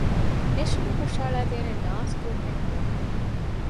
ނެށުމެއް ހުށަހަޅައިދޭނެ ޑާންސް ގްރޫޕެއް ހޯދުމަށް